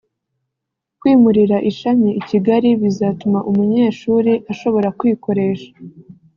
[…] kwimurira ishami i Kigali bizatuma umunyeshuri ashobora kwikoresha